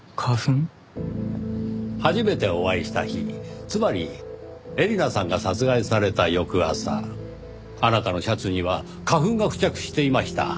初めてお会いした日つまり絵里奈さんが殺害された翌朝あなたのシャツには花粉が付着していました。